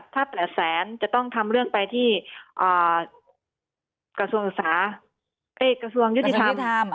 ถ้าแปดแสนจะต้องทำเรื่องไปที่กระทรวงอุตสาห์เอ๊ะกระทรวงยุทธิธรรม